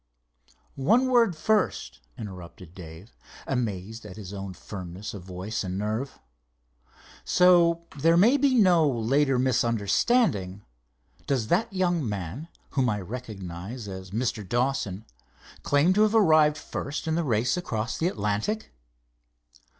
"One word first," interrupted Dave, amazed at his own firmness of voice and nerve. "So there may be no later misunderstanding, does that young man, whom I recognize as a Mr. Dawson, claim to have arrived first in the race across the Atlantic?"